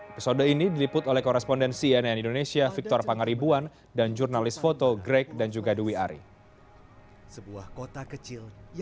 episode ini diliput oleh korespondensi nn indonesia victor pangaribuan dan jurnalis foto greg dan juga dwi ari